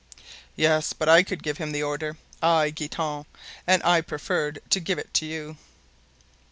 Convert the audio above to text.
"Yes, but I could give him the order—I, Guitant—and I preferred to give it to you."